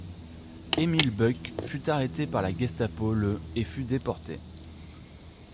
Émile Buck fut arrêté par la Gestapo le et fut déporté.